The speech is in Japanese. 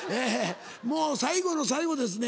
もう最後の最後ですね